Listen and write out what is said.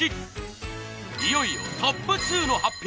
いよいよトップ２の発表。